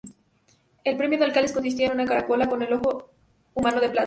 El premio de Alcances consiste en una caracola con un ojo humano de plata.